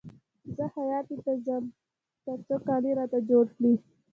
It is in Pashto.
زه خیاطۍ ته ځم تر څو کالي راته جوړ کړي